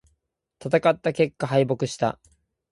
戦った結果、敗北した。